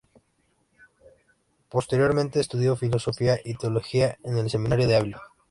Posteriormente estudió Filosofía y Teología en el Seminario de Ávila.